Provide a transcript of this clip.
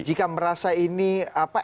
jika merasa ini ekspresi yang tidak patuh